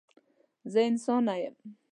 زه انسانه یم.